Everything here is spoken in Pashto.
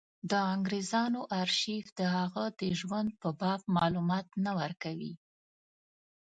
د انګرېزانو ارشیف د هغه د ژوند په باب معلومات نه ورکوي.